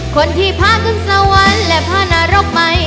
คนที่พาขึ้นสวรรค์และพระนรกใหม่